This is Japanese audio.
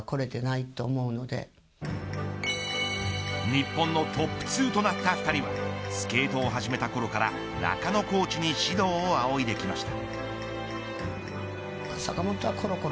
日本のトップ２となった２人はスケートを始めたころから中野コーチに指導を仰いできました。